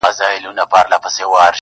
o ړانده ته شپه او ورځ يوه ده.